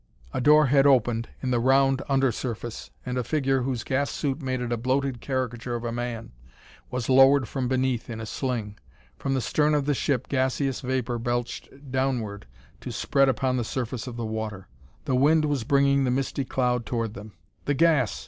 A door had opened in the round under surface, and a figure, whose gas suit made it a bloated caricature of a man, was lowered from beneath in a sling. From the stern of the ship gaseous vapor belched downward to spread upon the surface of the water. The wind was bringing the misty cloud toward them. "The gas!"